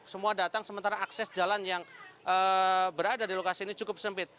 semua datang sementara akses jalan yang berada di lokasi ini cukup sempit